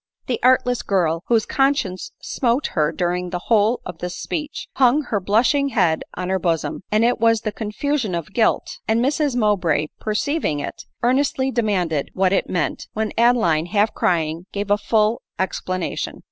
The artless girl, whose conscience smote her during the whole of this speech, hung her blushing bead on her bosom ; it was the confusion of guilt ; and Mrs Mow bray perceiving it, earnestly demanded what it meant, when Adeline, half crying, gave a full explanation.